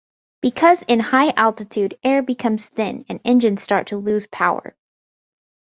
Because in high altitude air becomes thin and engines start to lose power.